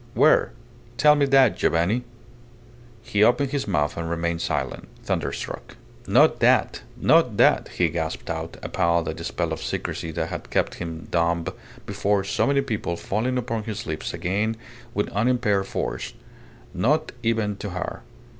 Where? Tell me that, Giovanni." He opened his mouth and remained silent thunderstruck. "Not that! Not that!" he gasped out, appalled at the spell of secrecy that had kept him dumb before so many people falling upon his lips again with unimpaired force. Not even to her.